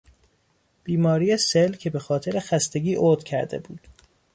بیماری سل که به خاطر خستگی عود کرده بود